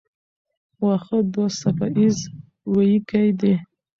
واښه دوه څپه ایزه وییکي دي.